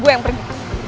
gua yang pergi